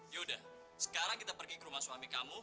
yaudah sekarang kita pergi ke rumah suami kamu